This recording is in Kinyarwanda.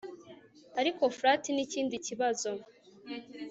ariko fart nikindi kibazo